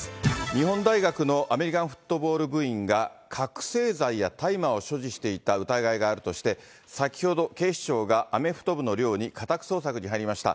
日本大学のアメリカンフットボール部員が、覚醒剤や大麻を所持していた疑いがあるとして、先ほど、警視庁がアメフト部の寮に家宅捜索に入りました。